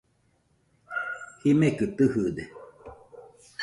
Jimekɨ tɨjɨde